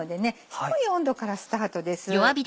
低い温度からスタートです。